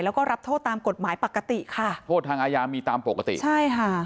แล้วก็รับโทษตามกฎหมายปกติค่ะโทษทางอายามีตามปกติใช่ค่ะ